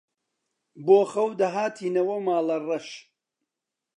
بۆ خەو دەهاتینەوە ماڵەڕەش